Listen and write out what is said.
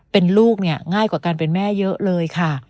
เป็นลูกเนี่ยง่ายกว่าการเป็นแม่เยอะเลยค่ะ